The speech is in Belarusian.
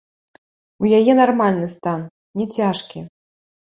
У яе нармальны стан, не цяжкі.